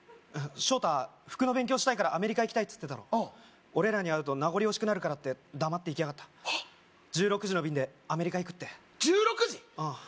ショウタ服の勉強したいからアメリカ行きたいって言ってたろああ俺らに会うと名残惜しくなるからって黙って行きやがった１６時の便でアメリカ行くって１６時！？